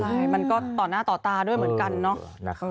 ใช่มันก็ต่อหน้าต่อตาด้วยเหมือนกันเนาะ